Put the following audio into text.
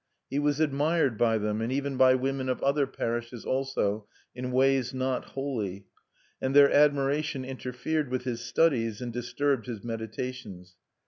He was admired by them, and even by women of other parishes also, in ways not holy; and their admiration interfered with his studies and disturbed his meditations.